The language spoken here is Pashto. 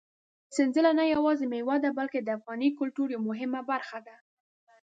سنځله نه یوازې مېوه ده، بلکې د افغاني کلتور یوه مهمه برخه ده.